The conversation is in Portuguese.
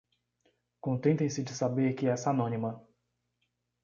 Contentem-se de saber que essa anônima